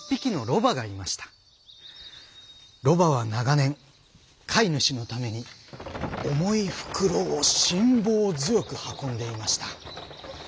ロバは長年飼い主のために重い袋を辛抱強く運んでいました。